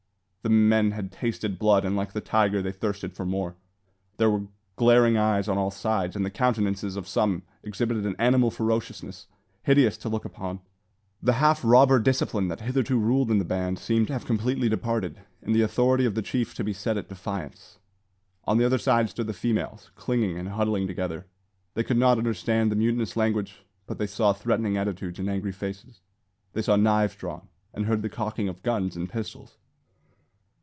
The men had tasted blood, and like the tiger, they thirsted for more. There were glaring eyes on all sides, and the countenances of some exhibited an animal ferociousness hideous to look upon. The half robber discipline that hitherto ruled in the band seemed to have completely departed, and the authority of the chief to be set at defiance. On the other side stood the females, clinging and huddling together. They could not understand the mutinous language, but they saw threatening attitudes and angry faces. They saw knives drawn, and heard the cocking of guns and pistols.